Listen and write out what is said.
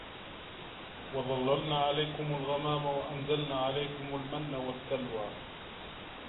وَظَلَّلْنَا عَلَيْكُمُ الْغَمَامَ وَأَنْزَلْنَا عَلَيْكُمُ الْمَنَّ وَالسَّلْوَىٰ ۖ